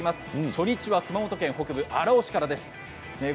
初日は熊本県北部荒尾市です。